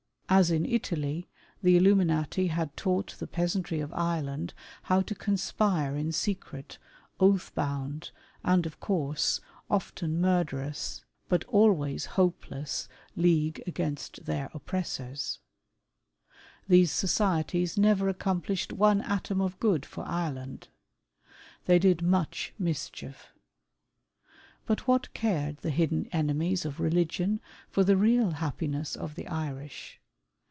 As in Italy, the Illuminati had taught the peasantry of Ireland how to conspire in secret, oatli b(jund, and, of course, often murderous, FENIANISM. 137 but always hopeless, league against their oppressors. These societies never accomplished one atom of good for Ireland. They did much mischief. But what cared the hidden enemies of religion for the real happiness of the Irish